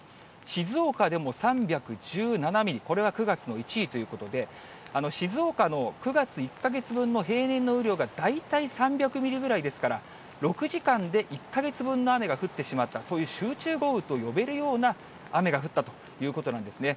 静岡でも３１７ミリ、これは９月の１位ということで、静岡の９月１か月分の平年の雨量が、大体３００ミリぐらいですから、６時間で１か月分の雨が降ってしまった、そういう集中豪雨と呼べるような雨が降ったということなんですね。